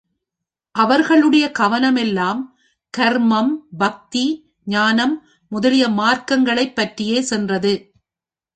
அவர்களுடைய கவனமெல்லாம் கர்மம், பக்தி, ஞானம் முதலிய மார்க்கங்களைப் பற்றியே சென்றது.